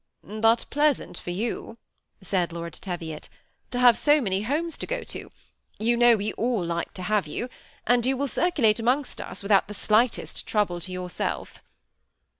But pleasant for you," said Lord Teviot, " to have so many homes to go to ; you know we all like to have you, and you will circulate amongst us without the slightest trouble to yourself."